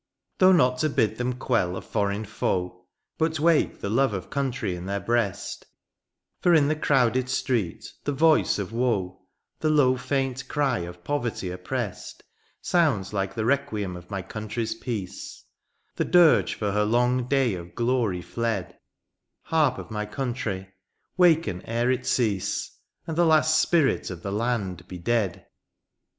Though not to bid them quell a foreign foe^ But wake the love of country in their breast ; For in the crowded street, the voice of woe^ The low iaint cry of poverty opprest. Sounds like the requiem of my country's peace^ The dirge for her long day of glory fled ; Harp of my country, waken ere it cease. And the last spirit of the land be dead